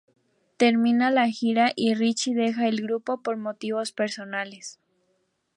Termina la gira y "Richie" deja el grupo por motivos personales.